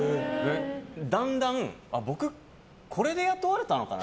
だんだん僕これで雇われたのかな？